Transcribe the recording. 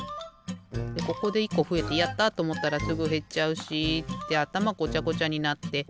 でここで１こふえて「やった！」とおもったらすぐへっちゃうしってあたまごちゃごちゃになってさいご